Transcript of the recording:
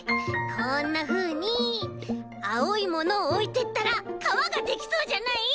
こんなふうにあおいものをおいてったらかわができそうじゃない？